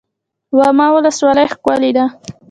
واما ولسوالۍ ښکلې ده؟